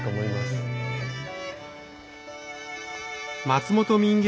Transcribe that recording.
松本民芸